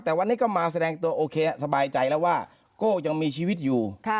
แต่วันนี้ก็มาแสดงตัวโอเคสบายใจแล้วว่าโก้ยังมีชีวิตอยู่